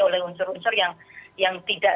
oleh unsur unsur yang tidak